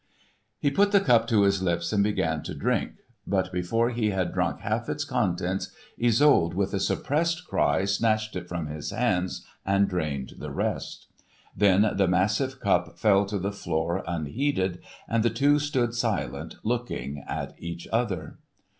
He put the cup to his lips and began to drink. But before he had drunk half its contents, Isolde with a suppressed cry snatched it from his hands and drained the rest. Then the massive cup fell to the floor, unheeded, and the two stood silent, looking at each other.